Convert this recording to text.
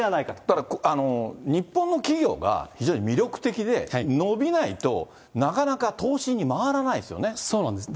だから日本の企業が非常に魅力的で、伸びないと、なかなか投そうなんです。